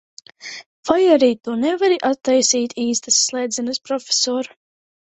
Vai arī tu nevari attaisīt īstas slēdzenes, Profesor?